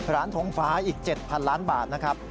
ทงฟ้าอีก๗๐๐ล้านบาทนะครับ